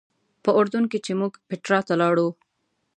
په اردن کې چې موږ پیټرا ته لاړو.